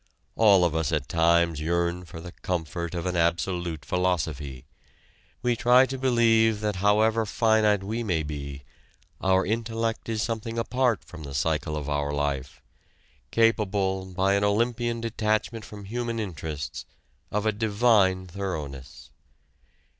All of us at times yearn for the comfort of an absolute philosophy. We try to believe that, however finite we may be, our intellect is something apart from the cycle of our life, capable by an Olympian detachment from human interests of a divine thoroughness.